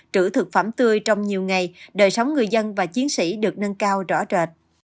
trữ thực phẩm tươi trong nhiều ngày đời sống người dân và chiến sĩ được nâng cao rõ rệt